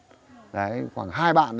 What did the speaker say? khoảng hai bạn chuyên để quét cái nhà ấy thôi